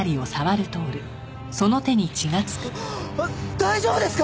大丈夫ですか！？